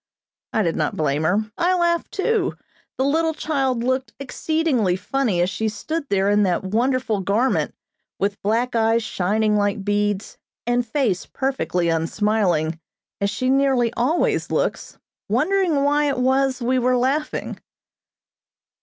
I did not blame her; I laughed too. The little child looked exceedingly funny as she stood there in that wonderful garment, with black eyes shining like beads, and face perfectly unsmiling, as she nearly always looks, wondering why it was we were laughing.